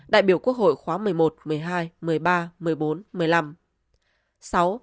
đại biểu quốc hội khóa một mươi một một mươi hai một mươi ba một mươi bốn một mươi năm